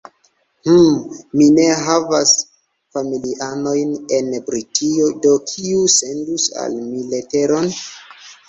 Hm, mi ne havas familianojn en Britio, do kiu sendus al mi leteron?